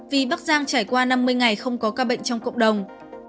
vì bắc giang trải qua năm mươi ngày không có ca bệnh trong cộng đồng